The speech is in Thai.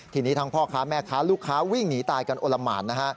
ทีนี้ทั้งพ่อค้าแม่ค้าลูกค้าวิ่งหนีตายกันโอละหมานนะฮะ